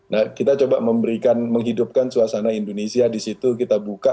nah kita coba memberikan menghidupkan suasana indonesia di situ kita buka